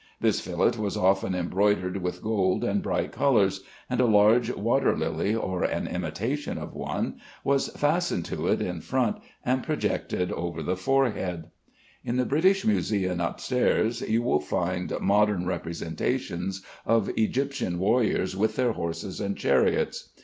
This fillet was often embroidered with gold and bright colors, and a large water lily, or an imitation of one, was fastened to it in front and projected over the forehead. At the British Museum upstairs you will find modern representations of Egyptian warriors with their horses and chariots.